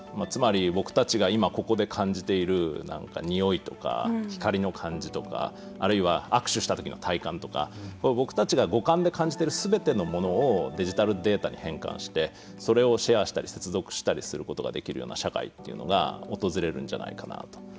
つまり僕たちが今ここで感じているにおいとか光の感じとかあるいは握手したときの体感とか僕たちが五感で感じているすべてのものをデジタルデータに変換してそれをシェアしたり接続したりすることができるような社会というのが訪れるんじゃないかなと。